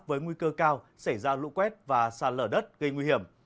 với nguy cơ cao xảy ra lũ quét và xa lở đất gây nguy hiểm